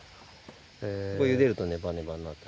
これゆでるとネバネバになる。